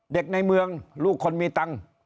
ในเมืองลูกคนมีตังค์